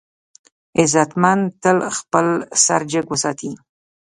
غیرتمند تل خپل سر جګ وساتي